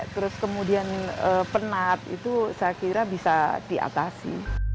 terus kemudian penat itu saya kira bisa diatasi